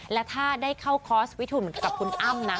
และถ้าได้เข้าคอร์สวิทุนเหมือนกับคุณอ้ำนะ